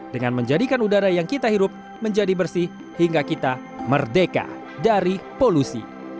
dengan menjadikan udara yang kita hirup menjadi bersih hingga kita merdeka dari polusi